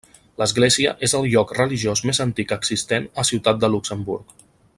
L'església és el lloc religiós més antic existent a Ciutat de Luxemburg.